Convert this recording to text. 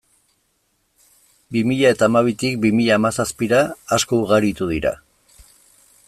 Bi mila eta hamabitik bi mila hamazazpira, asko ugaritu dira.